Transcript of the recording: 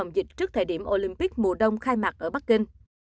trong các phòng dịch trước thời điểm olympic mùa đông khai mạc ở bắc kinh